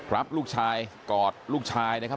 รับลูกชายกอดลูกชายนะครับ